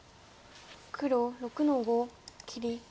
黒６の五切り。